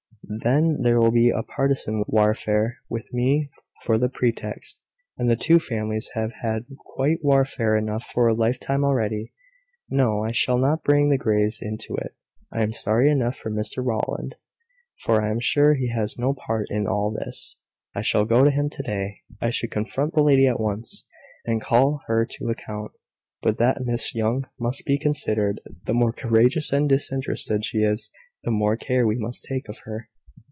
Then there will be a partisan warfare, with me for the pretext, and the two families have had quite warfare enough for a lifetime already. No, I shall not bring the Greys into it. I am sorry enough for Mr Rowland, for I am sure he has no part in all this. I shall go to him to day. I should confront the lady at once, and call her to account, but that Miss Young must be considered. The more courageous and disinterested she is, the more care we must take of her."